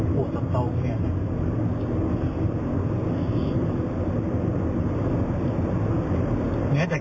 หนูก็นักเรียนอาจารย์